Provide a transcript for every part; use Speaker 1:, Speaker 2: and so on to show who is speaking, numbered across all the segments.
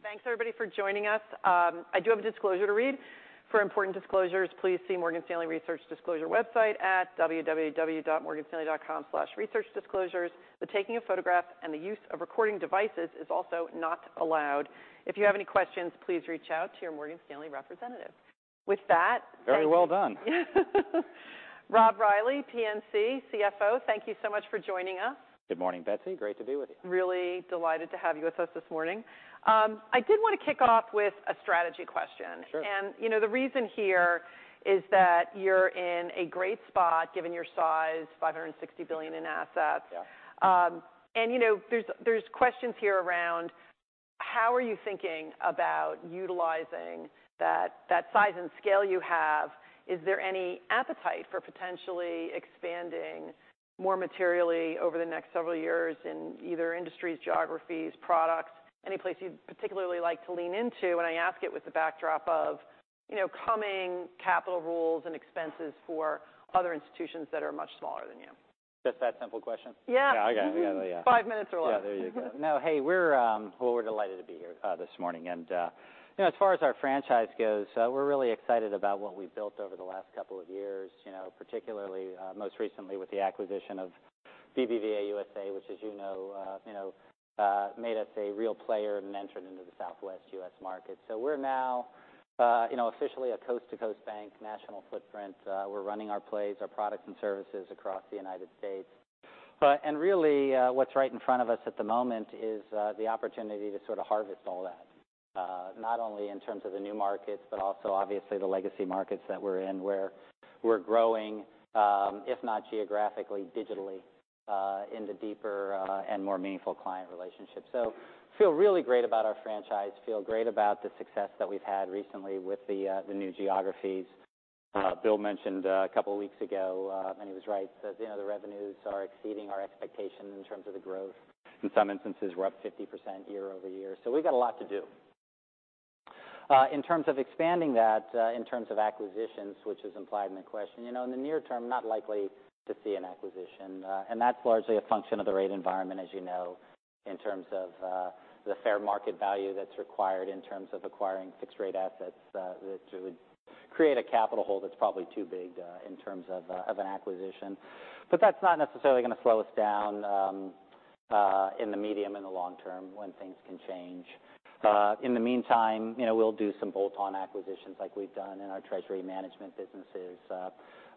Speaker 1: Great. Thanks, everybody, for joining us. I do have a disclosure to read. For important disclosures, please see Morgan Stanley Research Disclosure website at www.morganstanley.com/researchdisclosures. The taking of photographs and the use of recording devices is also not allowed. If you have any questions, please reach out to your Morgan Stanley representative. With that-
Speaker 2: Very well done.
Speaker 1: Rob Reilly, PNC, CFO, thank you so much for joining us.
Speaker 2: Good morning, Betsy. Great to be with you.
Speaker 1: Really delighted to have you with us this morning. I did want to kick off with a strategy question.
Speaker 2: Sure.
Speaker 1: You know, the reason here is that you're in a great spot, given your size, $560 billion in assets.
Speaker 2: Yeah.
Speaker 1: You know, there's questions here around how are you thinking about utilizing that size and scale you have? Is there any appetite for potentially expanding more materially over the next several years in either industries, geographies, products, any place you'd particularly like to lean into? I ask it with the backdrop of, you know, coming capital rules and expenses for other institutions that are much smaller than you.
Speaker 2: Just that simple question?
Speaker 1: Yeah.
Speaker 2: Yeah, I got it. Yeah.
Speaker 1: Five minutes or less.
Speaker 2: Yeah, there you go. No, hey, we're. Well, we're delighted to be here this morning. You know, as far as our franchise goes, we're really excited about what we've built over the last couple of years, you know, particularly most recently with the acquisition of BBVA USA, which, as you know, you know, made us a real player and entered into the Southwest U.S. market. We're now, you know, officially a coast-to-coast bank, national footprint. We're running our plays, our products and services across the United States. Really, what's right in front of us at the moment is the opportunity to sort of harvest all that, not only in terms of the new markets, but also obviously the legacy markets that we're in, where we're growing, if not geographically, digitally, into deeper and more meaningful client relationships. Feel really great about our franchise, feel great about the success that we've had recently with the new geographies. Bill mentioned a couple of weeks ago, and he was right, that, you know, the revenues are exceeding our expectations in terms of the growth. In some instances, we're up 50% year-over-year, so we've got a lot to do. In terms of expanding that, in terms of acquisitions, which is implied in the question, you know, in the near term, not likely to see an acquisition, and that's largely a function of the rate environment, as you know, in terms of the fair market value that's required in terms of acquiring fixed rate assets, that would create a capital hole that's probably too big, in terms of an acquisition. That's not necessarily going to slow us down, in the medium and the long term, when things can change. In the meantime, you know, we'll do some bolt-on acquisitions like we've done in our Treasury Management businesses,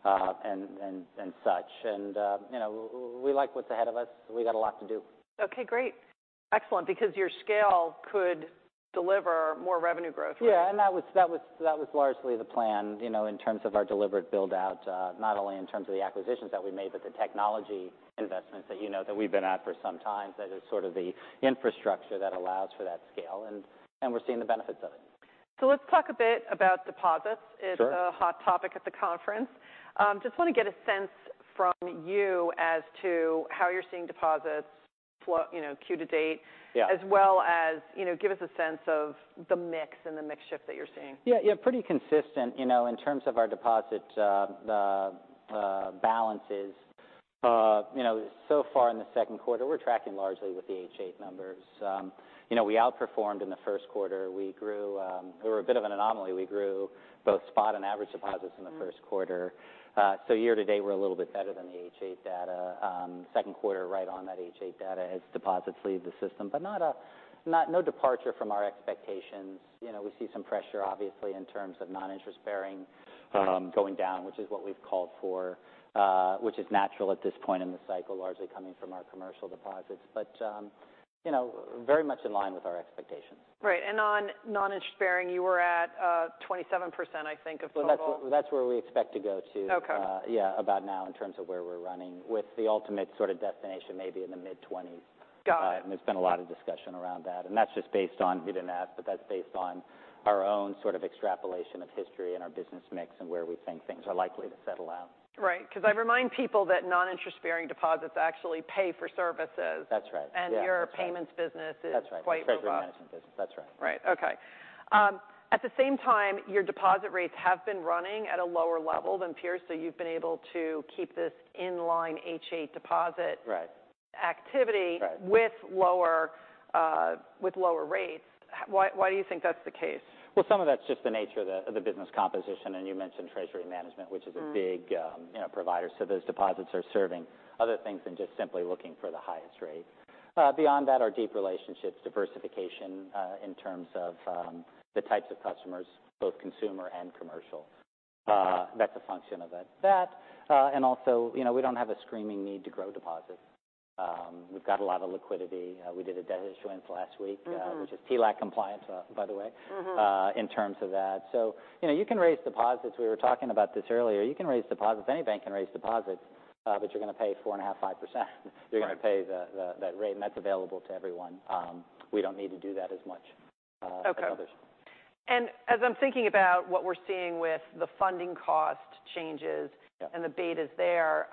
Speaker 2: and such. You know, we like what's ahead of us. We got a lot to do.
Speaker 1: Okay, great. Excellent, because your scale could deliver more revenue growth.
Speaker 2: Yeah, that was largely the plan, you know, in terms of our deliberate build-out, not only in terms of the acquisitions that we made, but the technology investments that, you know, that we've been at for some time. That is sort of the infrastructure that allows for that scale, and we're seeing the benefits of it.
Speaker 1: Let's talk a bit about deposits.
Speaker 2: Sure.
Speaker 1: It's a hot topic at the conference. Just want to get a sense from you as to how you're seeing deposits flow, you know, quarter to date...
Speaker 2: Yeah
Speaker 1: as well as, you know, give us a sense of the mix and the mix shift that you're seeing.
Speaker 2: Yeah, pretty consistent. You know, in terms of our deposit balances, you know, so far in the second quarter, we're tracking largely with the H.8 numbers. You know, we outperformed in the first quarter. We grew. We were a bit of an anomaly. We grew both spot and average deposits in the first quarter. Year to date, we're a little bit better than the H8 data. Second quarter, right on that H.8 data as deposits leave the system, no departure from our expectations. You know, we see some pressure, obviously, in terms of non-interest bearing going down, which is what we've called for, which is natural at this point in the cycle, largely coming from our commercial deposits, you know, very much in line with our expectations.
Speaker 1: Right. On non-interest bearing, you were at 27%, I think, of total.
Speaker 2: Well, that's where we expect to go to.
Speaker 1: Okay.
Speaker 2: Yeah, about now in terms of where we're running, with the ultimate sort of destination maybe in the mid-20s.
Speaker 1: Got it.
Speaker 2: There's been a lot of discussion around that, and that's just based on, you didn't ask, but that's based on our own sort of extrapolation of history and our business mix and where we think things are likely to settle out.
Speaker 1: Right. Because I remind people that non-interest bearing deposits actually pay for services.
Speaker 2: That's right.
Speaker 1: Your Payments business is.
Speaker 2: That's right.
Speaker 1: quite robust.
Speaker 2: Treasury Management business. That's right.
Speaker 1: Right. Okay. At the same time, your deposit rates have been running at a lower level than peers, so you've been able to keep this in line H.8.
Speaker 2: Right...
Speaker 1: activity-
Speaker 2: Right
Speaker 1: With lower rates. Why do you think that's the case?
Speaker 2: Well, some of that's just the nature of the, of the business composition, and you mentioned Treasury Management...
Speaker 1: Mm-hmm
Speaker 2: which is a big, you know, provider. Those deposits are serving other things than just simply looking for the highest rate. Beyond that, our deep relationships, diversification, in terms of, the types of customers, both consumer and commercial. That's a function of it. That, and also, you know, we don't have a screaming need to grow deposits. We've got a lot of liquidity. We did a debt issuance last week-
Speaker 1: Mm-hmm
Speaker 2: which is TLAC compliance, by the way.
Speaker 1: Mm-hmm
Speaker 2: in terms of that. You know, you can raise deposits. We were talking about this earlier. You can raise deposits. Any bank can raise deposits, but you're going to pay 4.5%, 5%.
Speaker 1: Right.
Speaker 2: You're going to pay the that rate, and that's available to everyone. We don't need to do that as much as others.
Speaker 1: Okay. As I'm thinking about what we're seeing with the funding cost changes-
Speaker 2: Yeah
Speaker 1: the betas there,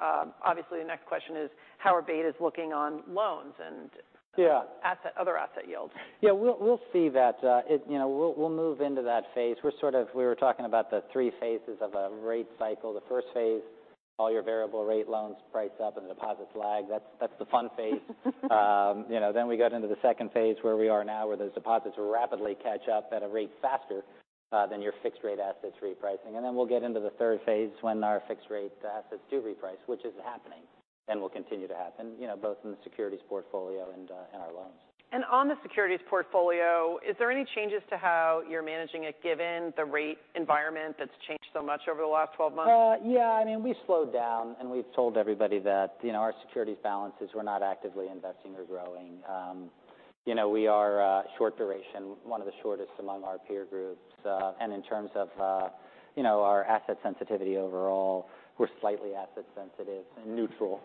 Speaker 1: obviously the next question is: How are betas looking on loans.
Speaker 2: Yeah
Speaker 1: asset, other asset yields?
Speaker 2: Yeah, we'll see that. You know, we'll move into that phase. We were talking about the three phases of a rate cycle. The first phase, all your variable rate loans price up and the deposits lag. That's the fun phase. You know, we get into the second phase, where we are now, where those deposits rapidly catch up at a rate faster than your fixed rate assets repricing. We'll get into the third phase, when our fixed rate assets do reprice, which is happening and will continue to happen, you know, both in the securities portfolio and in our loans.
Speaker 1: On the securities portfolio, is there any changes to how you're managing it, given the rate environment that's changed so much over the last 12 months?
Speaker 2: Yeah, I mean, we've slowed down, we've told everybody that, you know, our securities balances were not actively investing or growing. You know, we are short duration, one of the shortest among our peer groups. In terms of, you know, our asset sensitivity overall, we're slightly asset sensitive and neutral.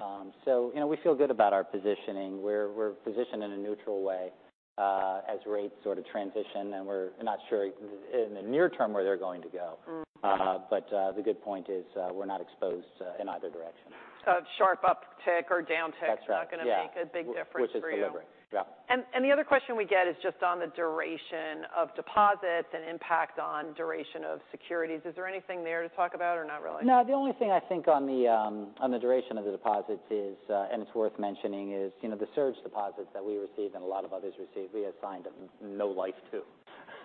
Speaker 2: You know, we feel good about our positioning. We're, we're positioned in a neutral way, as rates sort of transition, and we're not sure in the near term where they're going to go.
Speaker 1: Mm.
Speaker 2: The good point is, we're not exposed, in either direction.
Speaker 1: A sharp uptick or downtick.
Speaker 2: That's right, yeah.
Speaker 1: is not gonna make a big difference for you.
Speaker 2: Which is delivering, yeah.
Speaker 1: The other question we get is just on the duration of deposits and impact on duration of securities. Is there anything there to talk about or not really?
Speaker 2: No, the only thing I think on the duration of the deposits is, and it's worth mentioning, is, you know, the surge deposits that we received and a lot of others received, we assigned them no life to.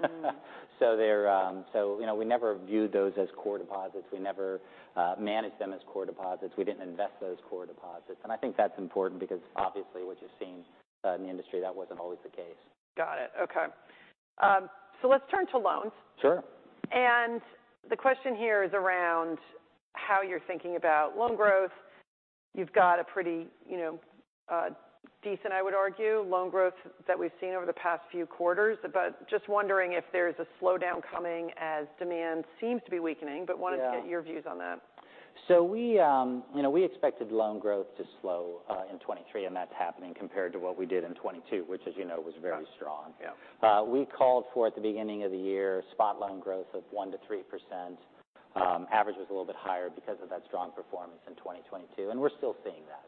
Speaker 1: Mm.
Speaker 2: You know, we never viewed those as core deposits. We never managed them as core deposits. We didn't invest those core deposits. I think that's important because obviously what you're seeing in the industry, that wasn't always the case.
Speaker 1: Got it. Okay. Let's turn to loans.
Speaker 2: Sure.
Speaker 1: The question here is around how you're thinking about loan growth. You've got a pretty, you know, decent, I would argue, loan growth that we've seen over the past few quarters. Just wondering if there's a slowdown coming as demand seems to be weakening.
Speaker 2: Yeah.
Speaker 1: Wanted to get your views on that.
Speaker 2: We, you know, we expected loan growth to slow in 2023, and that's happening compared to what we did in 2022, which, as you know, was very strong.
Speaker 1: Yeah.
Speaker 2: We called for, at the beginning of the year, spot loan growth of 1%-3%. Average was a little bit higher because of that strong performance in 2022, and we're still seeing that.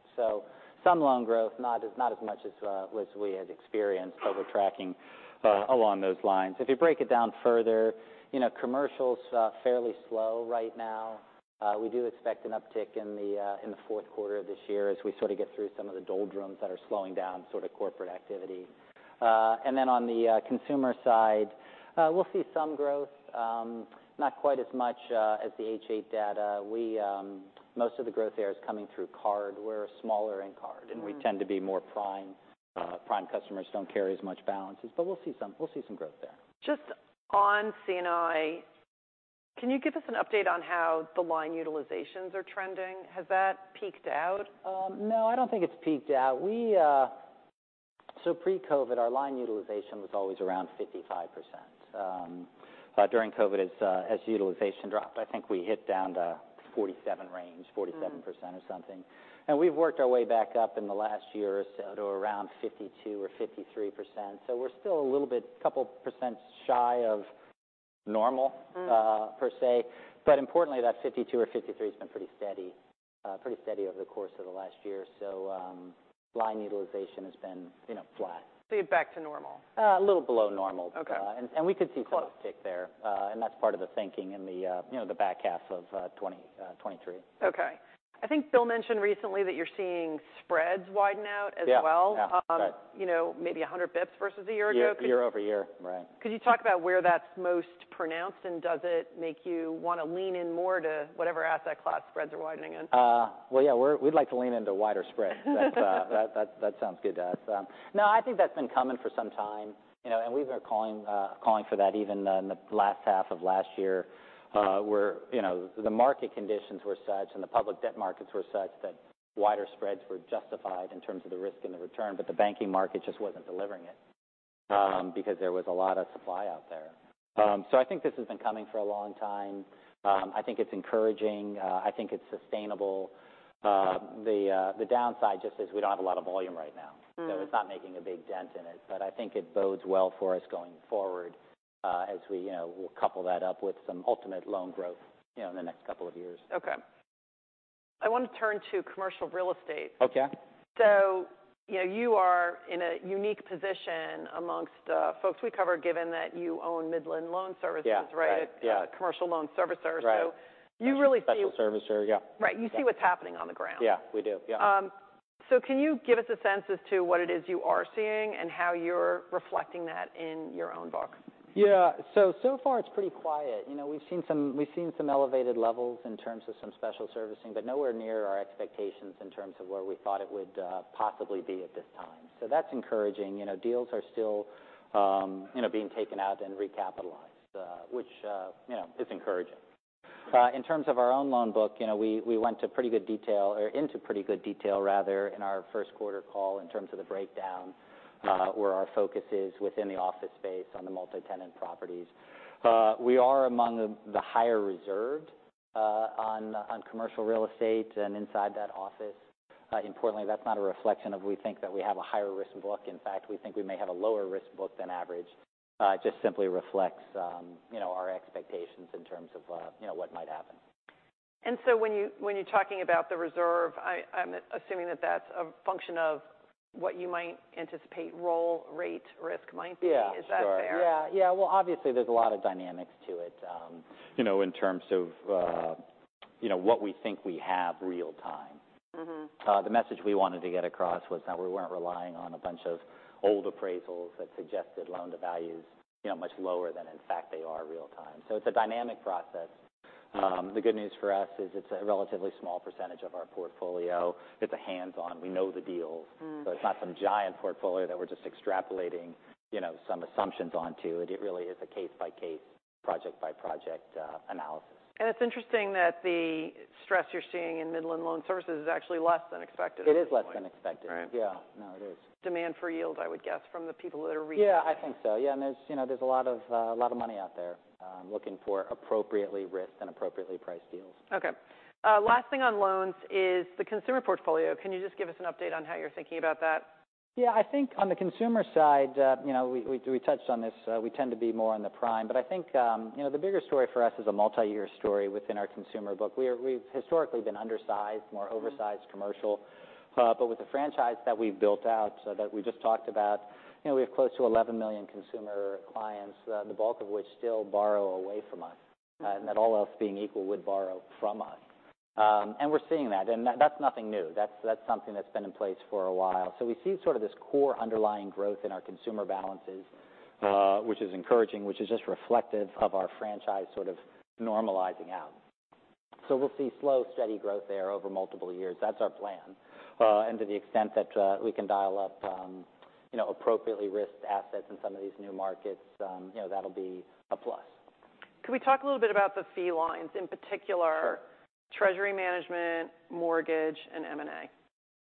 Speaker 2: Some loan growth, not as much as we had experienced, but we're tracking along those lines. If you break it down further, you know, commercial's fairly slow right now. We do expect an uptick in the fourth quarter of this year as we sort of get through some of the doldrums that are slowing down sort of corporate activity. On the consumer side, we'll see some growth, not quite as much as the H.8 data. We, most of the growth there is coming through card. We're smaller in card-
Speaker 1: Mm.
Speaker 2: We tend to be more prime. Prime customers don't carry as much balances, but we'll see some growth there.
Speaker 1: Just on C&I, can you give us an update on how the line utilizations are trending? Has that peaked out?
Speaker 2: No, I don't think it's peaked out. We pre-COVID, our line utilization was always around 55%. during COVID, as utilization dropped, I think we hit down to 47 range, 47% or something.
Speaker 1: Mm.
Speaker 2: We've worked our way back up in the last year or so to around 52% or 53%. We're still a little bit, couple % shy of normal-
Speaker 1: Mm...
Speaker 2: per se. Importantly, that 52 or 53 has been pretty steady over the course of the last year. Line utilization has been, you know, flat.
Speaker 1: You're back to normal?
Speaker 2: A little below normal.
Speaker 1: Okay.
Speaker 2: we could see-
Speaker 1: Close...
Speaker 2: some uptick there, and that's part of the thinking in the, you know, the back half of 2023.
Speaker 1: Okay. I think Bill mentioned recently that you're seeing spreads widen out as well.
Speaker 2: Yeah. Right.
Speaker 1: you know, maybe 100 basis points versus a year ago.
Speaker 2: Year-over-year, right.
Speaker 1: Could you talk about where that's most pronounced? Does it make you want to lean in more to whatever asset class spreads are widening in?
Speaker 2: Well, yeah, we'd like to lean into wider spreads. That sounds good to us. No, I think that's been coming for some time, you know, and we've been calling for that even in the last half of last year. The market conditions were such, and the public debt markets were such that wider spreads were justified in terms of the risk and the return. The banking market just wasn't delivering it.
Speaker 1: Mm...
Speaker 2: because there was a lot of supply out there. I think this has been coming for a long time. I think it's encouraging. I think it's sustainable. The downside just is we don't have a lot of volume right now.
Speaker 1: Mm.
Speaker 2: It's not making a big dent in it, but I think it bodes well for us going forward, as we, you know, we'll couple that up with some ultimate loan growth, you know, in the next couple of years.
Speaker 1: I want to turn to commercial real estate.
Speaker 2: Okay.
Speaker 1: you know, you are in a unique position amongst, folks we cover, given that you own Midland Loan Services.
Speaker 2: Yeah, right, yeah....
Speaker 1: right? Commercial loan servicer.
Speaker 2: Right.
Speaker 1: you really
Speaker 2: Special servicer, yeah.
Speaker 1: Right. You see what's happening on the ground.
Speaker 2: Yeah, we do. Yeah.
Speaker 1: Can you give us a sense as to what it is you are seeing and how you're reflecting that in your own book?
Speaker 2: So far, it's pretty quiet. You know, we've seen some elevated levels in terms of some special servicing, but nowhere near our expectations in terms of where we thought it would possibly be at this time. That's encouraging. You know, deals are still, you know, being taken out and recapitalized, which, you know, is encouraging. In terms of our own loan book, you know, we went to pretty good detail, or into pretty good detail, rather, in our first quarter call in terms of the breakdown, where our focus is within the office space on the multi-tenant properties. We are among the higher reserved, on commercial real estate and inside that office. Importantly, that's not a reflection of we think that we have a higher risk book. In fact, we think we may have a lower risk book than average. It just simply reflects, you know, our expectations in terms of, you know, what might happen.
Speaker 1: When you're talking about the reserve, I'm assuming that's a function of what you might anticipate roll rate risk might be?
Speaker 2: Yeah.
Speaker 1: Is that fair?
Speaker 2: Yeah. Yeah. Well, obviously, there's a lot of dynamics to it, you know, in terms of, you know, what we think we have real time.
Speaker 1: Mm-hmm.
Speaker 2: The message we wanted to get across was that we weren't relying on a bunch of old appraisals that suggested loan-to-values, you know, much lower than in fact they are real time. It's a dynamic process. The good news for us is it's a relatively small percentage of our portfolio. It's a hands-on. We know the deals.
Speaker 1: Mm.
Speaker 2: It's not some giant portfolio that we're just extrapolating, you know, some assumptions onto it. It really is a case-by-case, project-by-project, analysis.
Speaker 1: It's interesting that the stress you're seeing in Midland Loan Services is actually less than expected.
Speaker 2: It is less than expected.
Speaker 1: Right.
Speaker 2: Yeah. No, it is.
Speaker 1: Demand for yield, I would guess, from the people that are.
Speaker 2: Yeah, I think so. Yeah, there's, you know, a lot of money out there, looking for appropriately risked and appropriately priced deals.
Speaker 1: Okay. Last thing on loans is the consumer portfolio. Can you just give us an update on how you're thinking about that?
Speaker 2: Yeah. I think on the consumer side, you know, we touched on this. We tend to be more on the prime, but I think, you know, the bigger story for us is a multi-year story within our consumer book. We've historically been undersized-
Speaker 1: Mm-hmm.
Speaker 2: more oversized commercial. With the franchise that we've built out, so that we just talked about, you know, we have close to $11 million consumer clients, the bulk of which still borrow away from us.
Speaker 1: Mm-hmm.
Speaker 2: That all else being equal, would borrow from us. We're seeing that's nothing new. That's something that's been in place for a while. We see sort of this core underlying growth in our consumer balances, which is encouraging, which is just reflective of our franchise sort of normalizing out. We'll see slow, steady growth there over multiple years. That's our plan. To the extent that we can dial up, you know, appropriately risked assets in some of these new markets, you know, that'll be a plus.
Speaker 1: Could we talk a little bit about the fee lines, in particular?
Speaker 2: Sure.
Speaker 1: Treasury Management, Mortgage, and M&A?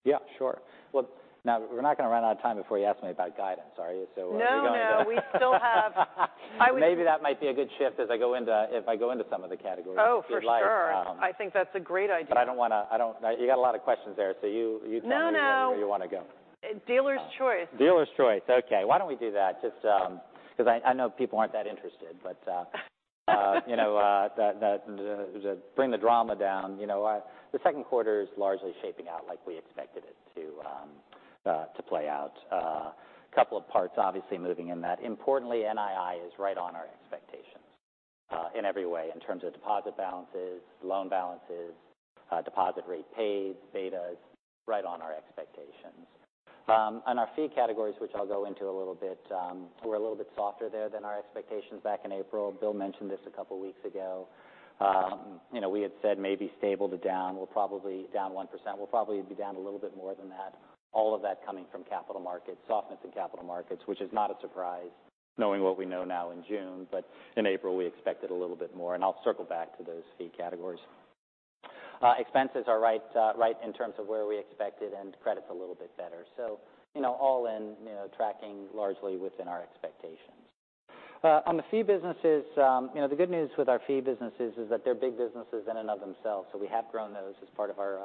Speaker 2: Yeah, sure. Well, now, we're not gonna run out of time before you ask me about guidance, are you?
Speaker 1: No. We still have.
Speaker 2: Maybe that might be a good shift as I go if I go into some of the categories.
Speaker 1: Oh, for sure.
Speaker 2: If you'd like.
Speaker 1: I think that's a great idea.
Speaker 2: I don't wanna... you got a lot of questions there, so you.
Speaker 1: No, no.
Speaker 2: Tell me where you wanna go.
Speaker 1: Dealer's choice.
Speaker 2: Dealer's choice. Okay, why don't we do that? Just, because I know people aren't that interested, you know, the bring the drama down. You know, the second quarter is largely shaping out like we expected it to play out. Couple of parts obviously moving in that. Importantly, NII is right on our expectations, in every way, in terms of deposit balances, loan balances, deposit rate paid, betas, right on our expectations. On our fee categories, which I'll go into a little bit, we're a little bit softer there than our expectations back in April. Bill mentioned this a couple weeks ago. You know, we had said maybe stable to down. We're probably down 1%. We'll probably be down a little bit more than that. All of that coming from Capital Markets, softness in Capital Markets, which is not a surprise, knowing what we know now in June, but in April, we expected a little bit more, and I'll circle back to those fee categories. expenses are right in terms of where we expected, and credit's a little bit better. you know, all in, you know, tracking largely within our expectations. on the fee businesses, you know, the good news with our fee businesses is that they're big businesses in and of themselves, so we have grown those as part of our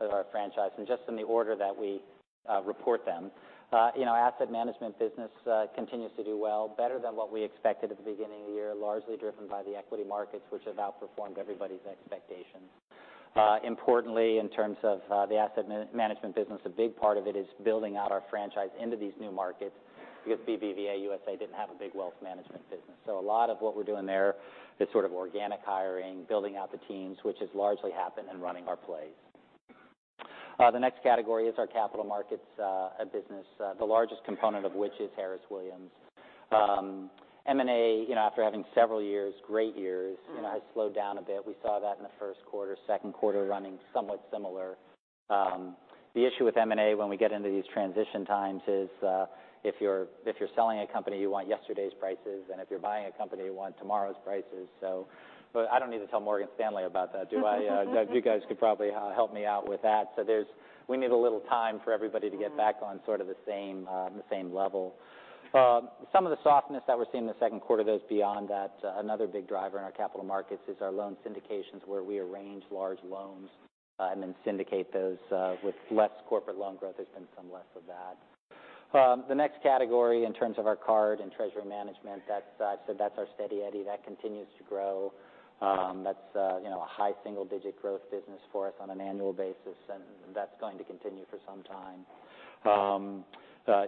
Speaker 2: as our franchise. just in the order that we report them, you know, asset management business continues to do well, better than what we expected at the beginning of the year, largely driven by the equity markets, which have outperformed everybody's expectations. Importantly, in terms of the asset management business, a big part of it is building out our franchise into these new markets, because BBVA USA didn't have a big wealth management business. A lot of what we're doing there is sort of organic hiring, building out the teams, which has largely happened, and running our plays. The next category is our Capital Markets business, the largest component of which is Harris Williams. M&A, you know, after having several years, great years.
Speaker 1: Mm-hmm.
Speaker 2: you know, has slowed down a bit. We saw that in the first quarter, second quarter running somewhat similar. The issue with M&A when we get into these transition times is, if you're, if you're selling a company, you want yesterday's prices, and if you're buying a company, you want tomorrow's prices. I don't need to tell Morgan Stanley about that, do I? You guys could probably help me out with that. We need a little time for everybody.
Speaker 1: Mm-hmm.
Speaker 2: to get back on sort of the same, the same level. Some of the softness that we're seeing in the second quarter goes beyond that. Another big driver in our Capital Markets is our loan syndications, where we arrange large loans, and then syndicate those. With less corporate loan growth, there's been some less of that. The next category, in terms of our card and Treasury Management, that's so that's our steady eddy. That continues to grow. That's, you know, a high single-digit growth business for us on an annual basis, and that's going to continue for some time.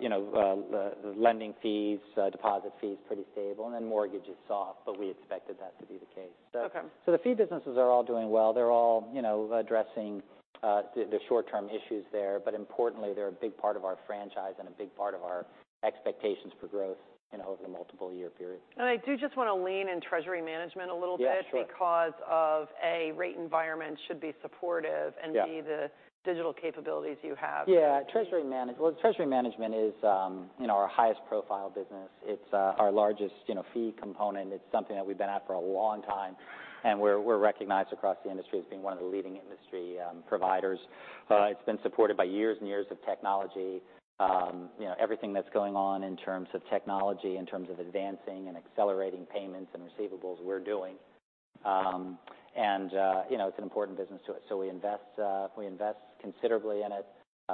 Speaker 2: You know, the lending fees, deposit fees, pretty stable, and then mortgage is soft, but we expected that to be the case.
Speaker 1: Okay.
Speaker 2: The fee businesses are all doing well. They're all, you know, addressing, the short-term issues there, but importantly, they're a big part of our franchise and a big part of our expectations for growth, you know, over a multiple-year period.
Speaker 1: I do just want to lean in Treasury Management a little bit.
Speaker 2: Yeah, sure.
Speaker 1: because of, A, rate environment should be supportive.
Speaker 2: Yeah.
Speaker 1: B, the digital capabilities you have.
Speaker 2: Yeah. Treasury Management is, you know, our highest profile business. It's, you know, our largest fee component. It's something that we've been at for a long time, and we're recognized across the industry as being one of the leading industry providers. It's been supported by years and years of technology. You know, everything that's going on in terms of technology, in terms of advancing and accelerating payments and receivables, we're doing. You know, it's an important business to us, so we invest, we invest considerably in it,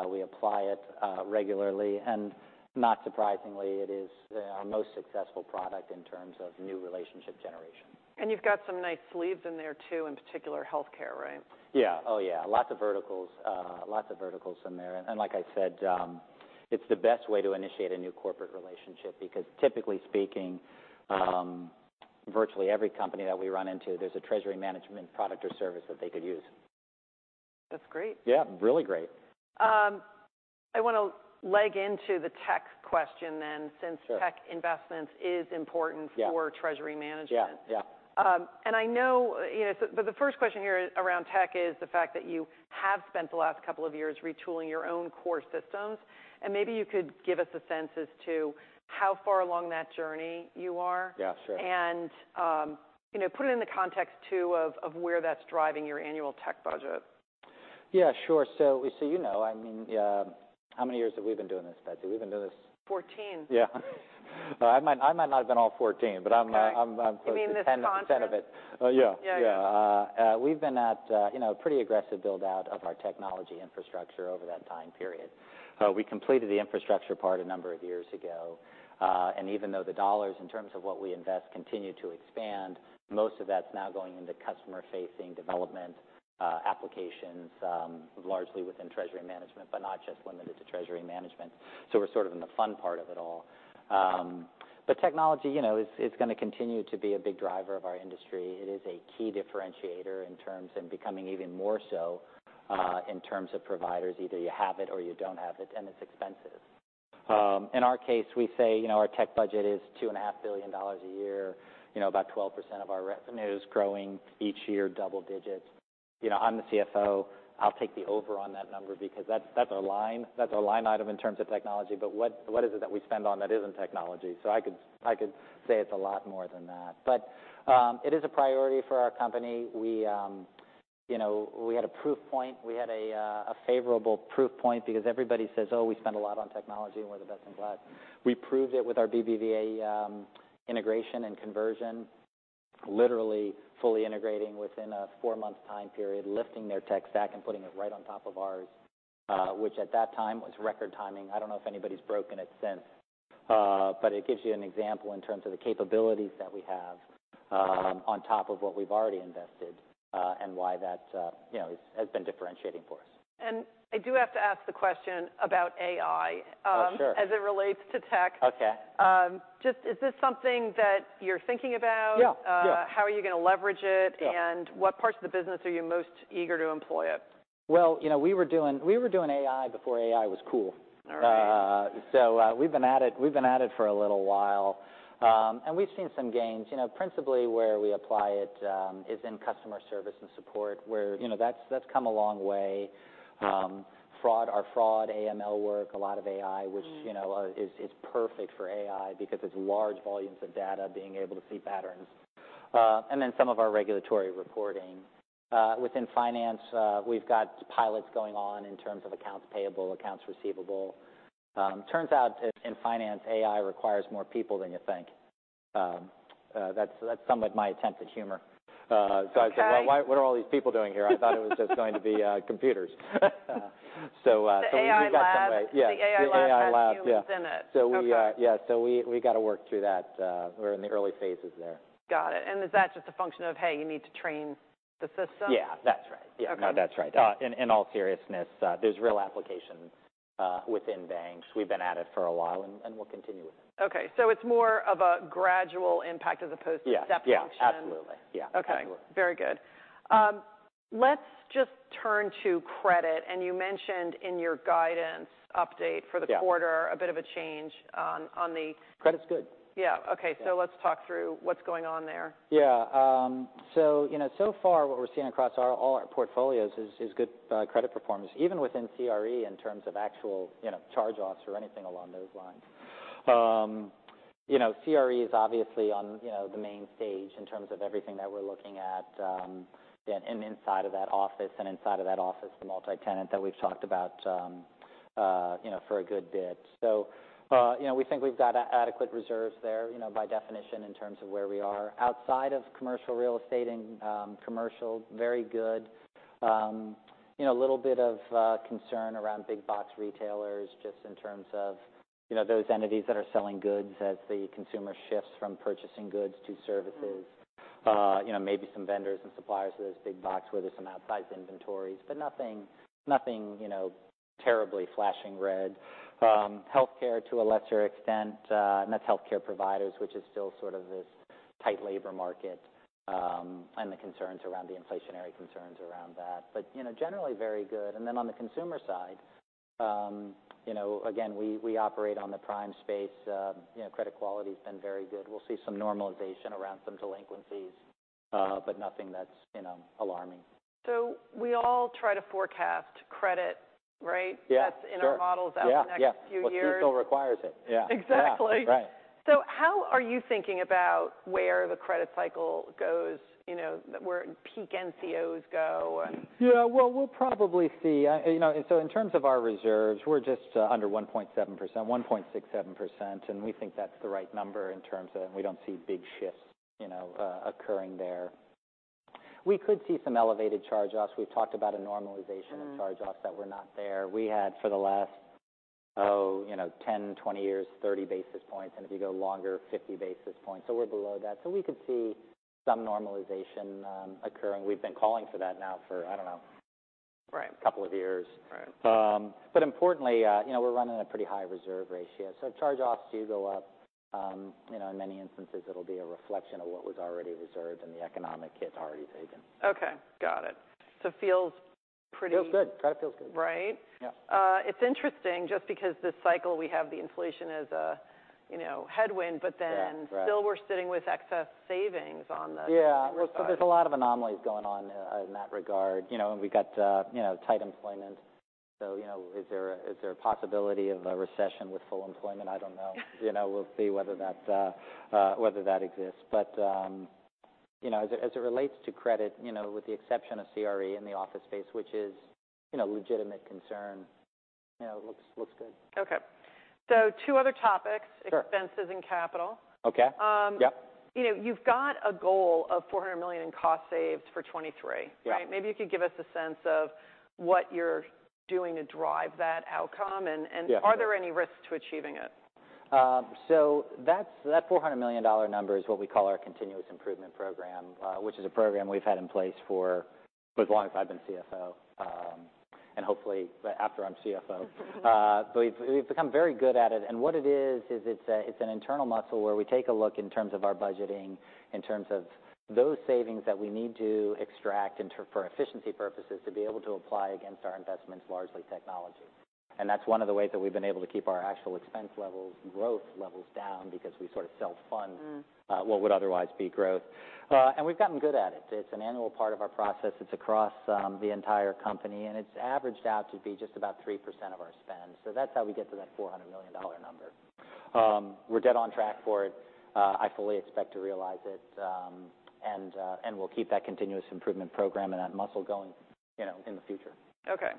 Speaker 2: we apply it regularly, and not surprisingly, it is our most successful product in terms of new relationship generation.
Speaker 1: You've got some nice sleeves in there, too, in particular, healthcare, right?
Speaker 2: Yeah. Oh, yeah. Lots of verticals, lots of verticals in there. Like I said, it's the best way to initiate a new corporate relationship. Typically speaking, virtually every company that we run into, there's a Treasury Management product or service that they could use.
Speaker 1: That's great.
Speaker 2: Yeah, really great.
Speaker 1: I wanna leg into the tech question then-
Speaker 2: Sure.
Speaker 1: since tech investments is important.
Speaker 2: Yeah.
Speaker 1: for Treasury Management.
Speaker 2: Yeah. Yeah.
Speaker 1: I know, you know. The first question here around tech is the fact that you have spent the last couple of years retooling your own core systems, and maybe you could give us a sense as to how far along that journey you are.
Speaker 2: Yeah, sure.
Speaker 1: You know, put it in the context, too, of where that's driving your annual tech budget.
Speaker 2: Yeah, sure. you know, I mean, how many years have we been doing this, Betsy?
Speaker 1: 14.
Speaker 2: Yeah. I might not have been all 14, but I'm...
Speaker 1: Okay
Speaker 2: I'm close to.
Speaker 1: You mean this concept?
Speaker 2: 10 of it. Yeah.
Speaker 1: Yeah.
Speaker 2: Yeah. We've been at a, you know, pretty aggressive build-out of our technology infrastructure over that time period. We completed the infrastructure part a number of years ago. Even though the dollars in terms of what we invest continue to expand, most of that's now going into customer-facing development, applications, largely within Treasury Management, but not just limited to Treasury Management. We're sort of in the fun part of it all. Technology, you know, is gonna continue to be a big driver of our industry. It is a key differentiator in terms, and becoming even more so, in terms of providers. Either you have it or you don't have it, and it's expensive. In our case, we say, you know, our tech budget is $2.5 billion a year, you know, about 12% of our revenue is growing each year, double digits. You know, I'm the CFO, I'll take the over on that number because that's our line, that's our line item in terms of technology. What is it that we spend on that isn't technology? I could say it's a lot more than that. It is a priority for our company. We, you know, we had a proof point. We had a favorable proof point because everybody says, "Oh, we spend a lot on technology, and we're the best in class." We proved it with our BBVA integration and conversion, literally fully integrating within a four-month time period, lifting their tech stack and putting it right on top of ours, which at that time was record timing. I don't know if anybody's broken it since. It gives you an example in terms of the capabilities that we have, on top of what we've already invested, and why that, you know, has been differentiating for us.
Speaker 1: I do have to ask the question about AI.
Speaker 2: Oh, sure....
Speaker 1: as it relates to tech.
Speaker 2: Okay.
Speaker 1: Just is this something that you're thinking about?
Speaker 2: Yeah. Yeah.
Speaker 1: How are you gonna leverage it?
Speaker 2: Yeah.
Speaker 1: What parts of the business are you most eager to employ it?
Speaker 2: Well, you know, we were doing AI before AI was cool.
Speaker 1: All right.
Speaker 2: We've been at it, we've been at it for a little while. And we've seen some gains. You know, principally where we apply it, is in customer service and support, where, you know, that's come a long way. Fraud, our fraud, AML work, a lot of AI-
Speaker 1: Mm.
Speaker 2: which, you know, is perfect for AI because it's large volumes of data, being able to see patterns. Then some of our regulatory reporting. Within finance, we've got pilots going on in terms of accounts payable, accounts receivable. Turns out in finance, AI requires more people than you think. That's somewhat my attempt at humor.
Speaker 1: Okay.
Speaker 2: I said, "Well, what are all these people doing here? I thought it was going to be computers." We've got some way-
Speaker 1: The AI labs.
Speaker 2: Yeah.
Speaker 1: The AI labs.
Speaker 2: The AI labs.
Speaker 1: has humans in it.
Speaker 2: Yeah.
Speaker 1: Okay.
Speaker 2: We, yeah, so we got to work through that. We're in the early phases there.
Speaker 1: Got it. Is that just a function of, "Hey, you need to train the system?
Speaker 2: Yeah, that's right.
Speaker 1: Okay.
Speaker 2: Yeah. No, that's right. In all seriousness, there's real application within banks. We've been at it for a while, and we'll continue it.
Speaker 1: Okay, it's more of a gradual impact as opposed to-
Speaker 2: Yeah, yeah....
Speaker 1: step function.
Speaker 2: Absolutely. Yeah.
Speaker 1: Okay.
Speaker 2: Absolutely.
Speaker 1: Very good. Let's just turn to credit. You mentioned in your guidance update.
Speaker 2: Yeah
Speaker 1: quarter a bit of a change on the.
Speaker 2: Credit's good.
Speaker 1: Yeah. Okay.
Speaker 2: Yeah.
Speaker 1: Let's talk through what's going on there.
Speaker 2: Yeah. You know, so far, what we're seeing across our, all our portfolios is good credit performance, even within CRE, in terms of actual, you know, charge-offs or anything along those lines. You know, CRE is obviously on, you know, the main stage in terms of everything that we're looking at, and inside of that office, the multi-tenant that we've talked about, you know, for a good bit. You know, we think we've got adequate reserves there, you know, by definition, in terms of where we are. Outside of commercial real estate and commercial, very good. You know, a little bit of concern around big box retailers, just in terms of, you know, those entities that are selling goods as the consumer shifts from purchasing goods to services.
Speaker 1: Mm.
Speaker 2: You know, maybe some vendors and suppliers to those big box where there's some outsized inventories, but nothing, you know, terribly flashing red. Healthcare, to a lesser extent, and that's healthcare providers, which is still sort of this tight labor market, and the concerns around the inflationary concerns around that, but, you know, generally very good. On the consumer side, you know, again, we operate on the prime space. You know, credit quality has been very good. We'll see some normalization around some delinquencies, but nothing that's, you know, alarming.
Speaker 1: We all try to forecast credit, right?
Speaker 2: Yeah, sure.
Speaker 1: That's in our models.
Speaker 2: Yeah, yeah.
Speaker 1: out the next few years.
Speaker 2: Well, CECL requires it. Yeah.
Speaker 1: Exactly.
Speaker 2: Yeah. Right.
Speaker 1: How are you thinking about where the credit cycle goes, you know, where peak NCOs go?
Speaker 2: Yeah, well, we'll probably see. You know, in terms of our reserves, we're just under 1.7%, 1.67% and we think that's the right number in terms of we don't see big shifts, you know, occurring there. We could see some elevated charge-offs. We've talked about a normalization.
Speaker 1: Mm.
Speaker 2: -of charge-offs that were not there. We had, for the last-... you know, 10, 20 years, 30 basis points, and if you go longer, 50 basis points. We're below that. We could see some normalization occurring. We've been calling for that now for, I don't know-
Speaker 1: Right.
Speaker 2: a couple of years.
Speaker 1: Right.
Speaker 2: Importantly, you know, we're running at a pretty high reserve ratio, so if charge-offs do go up, you know, in many instances, it'll be a reflection of what was already reserved and the economic hit is already taken.
Speaker 1: Okay, got it. It feels pretty-
Speaker 2: Feels good. Kind of feels good.
Speaker 1: Right?
Speaker 2: Yeah.
Speaker 1: It's interesting just because this cycle we have the inflation as a, you know, headwind.
Speaker 2: Yeah, right.
Speaker 1: Still we're sitting with excess savings on the...
Speaker 2: Yeah.
Speaker 1: Right.
Speaker 2: There's a lot of anomalies going on in that regard. You know, we got, you know, tight employment. You know, is there a possibility of a recession with full employment? I don't know. You know, we'll see whether that whether that exists. You know, as it relates to credit, you know, with the exception of CRE in the office space, which is, you know, a legitimate concern, you know, it looks good.
Speaker 1: Okay. Two other topics.
Speaker 2: Sure.
Speaker 1: Expenses and capital.
Speaker 2: Okay.
Speaker 1: Um-
Speaker 2: Yeah.
Speaker 1: You know, you've got a goal of $400 million in cost saves for 2023.
Speaker 2: Yeah.
Speaker 1: Right? Maybe you could give us a sense of what you're doing to drive that outcome?
Speaker 2: Yeah.
Speaker 1: Are there any risks to achieving it?
Speaker 2: That $400 million number is what we call our continuous improvement program, which is a program we've had in place for as long as I've been CFO, and hopefully after I'm CFO. We've become very good at it. What it is it's an internal muscle where we take a look in terms of our budgeting, in terms of those savings that we need to extract for efficiency purposes, to be able to apply against our investments, largely technology. That's one of the ways that we've been able to keep our actual expense levels, growth levels down because we sort of self-fund-
Speaker 1: Mm.
Speaker 2: What would otherwise be growth. We've gotten good at it. It's an annual part of our process. It's across the entire company, and it's averaged out to be just about 3% of our spend. That's how we get to that $400 million number. We're dead on track for it. I fully expect to realize it, and we'll keep that continuous improvement program and that muscle going, you know, in the future.
Speaker 1: Okay.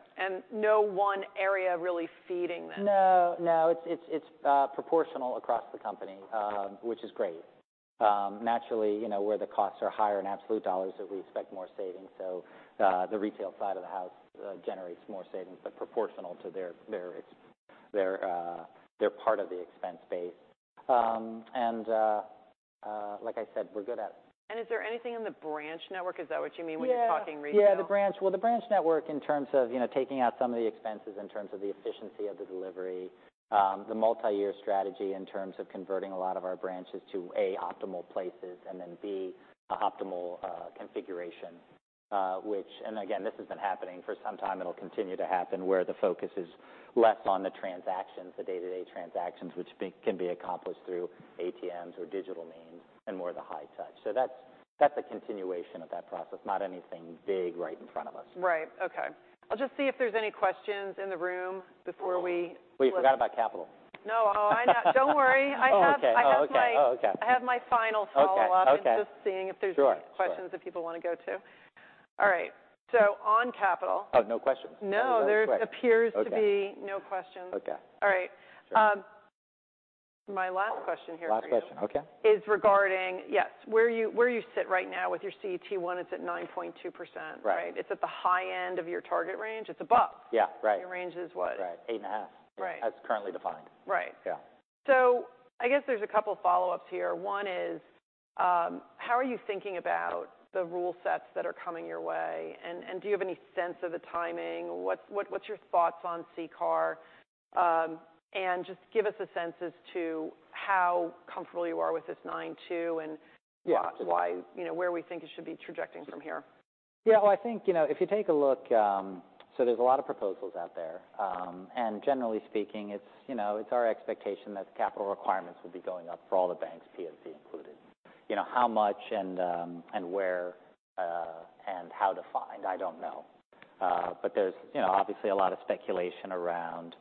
Speaker 1: No one area really feeding that?
Speaker 2: No, it's proportional across the company, which is great. Naturally, you know, where the costs are higher in absolute dollars that we expect more savings. The retail side of the house generates more savings, but proportional to their part of the expense base. Like I said, we're good at it.
Speaker 1: Is there anything in the branch network? Is that what you mean when you're talking retail?
Speaker 2: Yeah, the branch. Well, the branch network in terms of, you know, taking out some of the expenses, in terms of the efficiency of the delivery, the multi-year strategy in terms of converting a lot of our branches to, A, optimal places, and then, B, optimal configuration, which. Again, this has been happening for some time. It'll continue to happen where the focus is less on the transactions, the day-to-day transactions, which can be accomplished through ATMs or digital means, and more of the high touch. That's, that's a continuation of that process, not anything big right in front of us.
Speaker 1: Right. Okay. I'll just see if there's any questions in the room before we-
Speaker 2: Wait, you forgot about capital.
Speaker 1: No. Oh, I know. Don't worry.
Speaker 2: Okay. Oh, okay.
Speaker 1: I have
Speaker 2: Oh, okay.
Speaker 1: I have my final follow-up.
Speaker 2: Okay. Okay.
Speaker 1: I'm just seeing if.
Speaker 2: Sure...
Speaker 1: questions that people want to go to. All right, on capital-
Speaker 2: Oh, no questions?
Speaker 1: No, there appears-
Speaker 2: Okay...
Speaker 1: to be no questions.
Speaker 2: Okay.
Speaker 1: All right.
Speaker 2: Sure.
Speaker 1: My last question here for you.
Speaker 2: Last question. Okay....
Speaker 1: is regarding, yes, where you, where you sit right now with your CET1, it's at 9.2%.
Speaker 2: Right.
Speaker 1: Right? It's at the high end of your target range. It's above.
Speaker 2: Yeah, right.
Speaker 1: Your range is what?
Speaker 2: Right. $8.5.
Speaker 1: Right.
Speaker 2: As currently defined.
Speaker 1: Right.
Speaker 2: Yeah.
Speaker 1: I guess there's a couple of follow-ups here. One is, how are you thinking about the rule sets that are coming your way, and do you have any sense of the timing? What's your thoughts on CCAR? And just give us a sense as to how comfortable you are with this 9.2.
Speaker 2: Yeah
Speaker 1: why, you know, where we think it should be trajecting from here.
Speaker 2: Yeah, well, I think, you know, if you take a look. There's a lot of proposals out there. Generally speaking, it's, you know, it's our expectation that the capital requirements will be going up for all the banks, PNC included. You know, how much and where and how to find, I don't know. There's, you know, obviously a lot of speculation around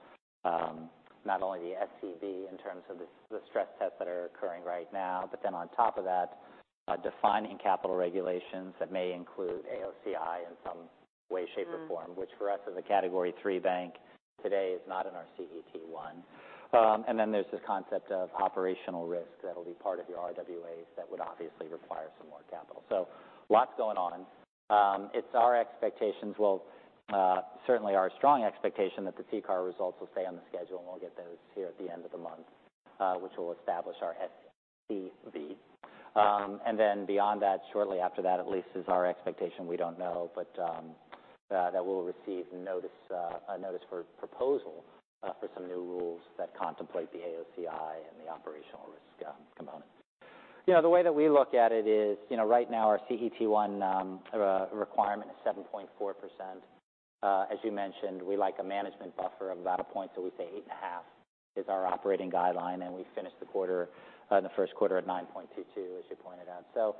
Speaker 2: not only the SCB in terms of the stress tests that are occurring right now, but then on top of that, defining capital regulations that may include AOCI in some way, shape, or form.
Speaker 1: Mm
Speaker 2: which for us, as a Category III bank, today is not in our CET1. There's this concept of operational risk that'll be part of your RWAs, that would obviously require some more capital. Lots going on. It's our expectations, well, certainly our strong expectation that the CCAR results will stay on the schedule, and we'll get those here at the end of the month, which will establish our SCB. Beyond that, shortly after that, at least, is our expectation, we don't know, but that we'll receive notice, a notice for proposal, for some new rules that contemplate the AOCI and the operational risk component. You know, the way that we look at it is, you know, right now our CET1 requirement is 7.4%. As you mentioned, we like a management buffer of about a point, so we say 8.5% is our operating guideline, and we finish the quarter, the first quarter at 9.22%, as you pointed out.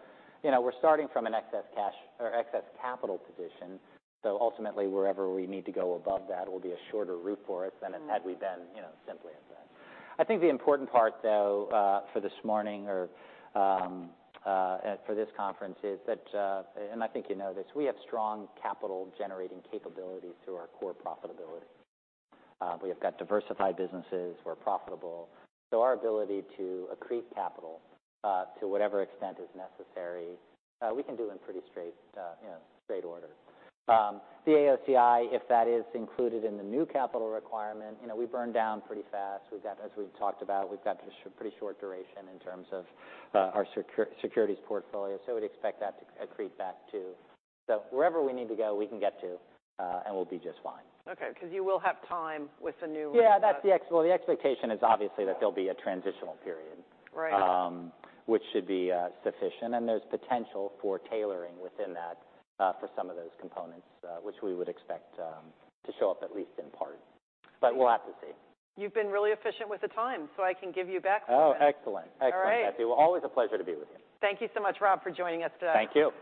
Speaker 2: You know, we're starting from an excess cash or excess capital position. Ultimately, wherever we need to go above that will be a shorter route for us.
Speaker 1: Mm
Speaker 2: had we been, you know, simply excess. I think the important part, though, for this morning or for this conference is that, and I think you know this, we have strong capital-generating capabilities through our core profitability. We have got diversified businesses. We're profitable. Our ability to accrete capital to whatever extent is necessary, we can do in pretty straight, you know, straight order. The AOCI, if that is included in the new capital requirement, you know, we burn down pretty fast. We've got, as we've talked about, we've got pretty short duration in terms of our securities portfolio, so we'd expect that to accrete back too. Wherever we need to go, we can get to, and we'll be just fine.
Speaker 1: Okay, because you will have time with the new-.
Speaker 2: Yeah, Well, the expectation is obviously that there'll be a transitional period.
Speaker 1: Right.
Speaker 2: Which should be sufficient, and there's potential for tailoring within that, for some of those components, which we would expect to show up, at least in part. We'll have to see.
Speaker 1: You've been really efficient with the time, I can give you back-
Speaker 2: Oh, excellent.
Speaker 1: All right.
Speaker 2: Excellent. Well, always a pleasure to be with you.
Speaker 1: Thank you so much, Rob, for joining us today.
Speaker 2: Thank you.